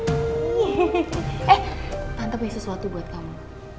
eh tante punya sesuatu buat kamu